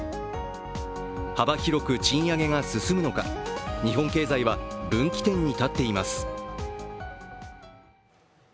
幅広く賃上げが進むのか、日本経済は分岐点に立っています。